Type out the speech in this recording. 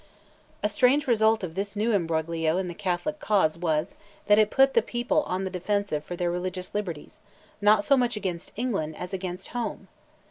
A strange result of this new embroglio in the Catholic cause was, that it put the people on the defensive for their religious liberties, not so much against England as against Rome.